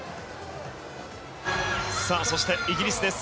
そしてイギリスです。